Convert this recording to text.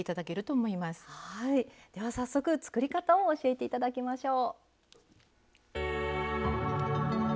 では早速作り方を教えて頂きましょう。